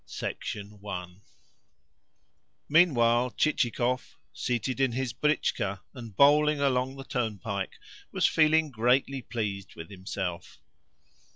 CHAPTER III Meanwhile, Chichikov, seated in his britchka and bowling along the turnpike, was feeling greatly pleased with himself.